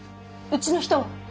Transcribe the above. うちの人は。